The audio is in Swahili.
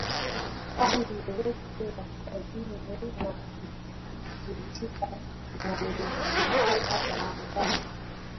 Hali yoyote ya utulivu na kuridhika inayotokea baada ya